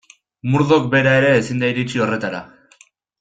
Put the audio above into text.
Murdoch bera ere ezin da iritsi horretara.